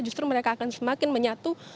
justru mereka akan semakin menyatu